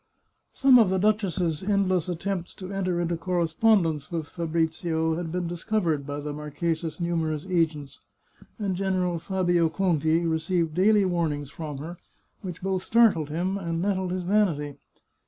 Some of the duchess's endless attempts to enter into correspondence with Fabrizio had been discov ered by the marchesa's numerous agents, and General Fabio Conti received daily warnings from her, which both startled him, and nettled his vanity.